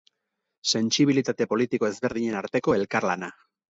Sentsibilitate politiko ezberdinen arteko elkarlana.